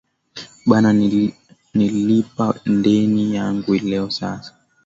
Bana nilipa ndeni yangu leo sasa